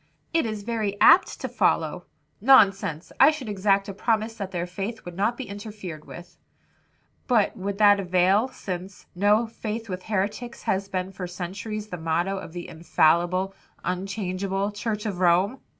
"It is very apt to follow." "Nonsense! I should exact a promise that their faith would not be interfered with." "But would that avail, since, 'No faith with heretics,' has been for centuries the motto of the 'infallible, unchangeable,' Church of Rome?"